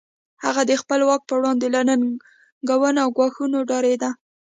هغه د خپل واک پر وړاندې له ننګونو او ګواښونو ډارېده.